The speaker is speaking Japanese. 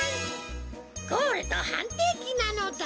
ゴールドはんていきなのだ！